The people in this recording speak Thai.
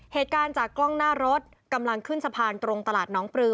เหตุการณ์จากกล้องหน้ารถกำลังขึ้นสะพานตรงตลาดน้องปลือ